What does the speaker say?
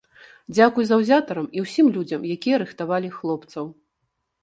Дзякуй заўзятарам і ўсім людзям, якія рыхтавалі хлопцаў.